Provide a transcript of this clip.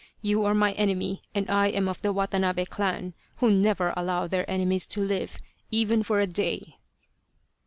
You are my enemy, and I am of the Watanabe clan, who never allow their enemies to live even for a day."